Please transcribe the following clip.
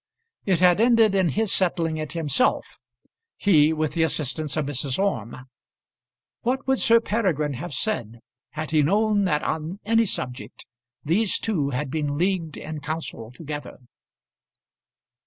It had ended in his settling it himself, he, with the assistance of Mrs. Orme. What would Sir Peregrine have said had he known that on any subject these two had been leagued in council together?